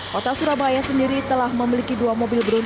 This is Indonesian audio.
kota surabaya sendiri telah mencari penyelamatan yang berbeda